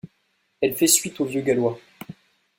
Elle fait suite au vieux gallois.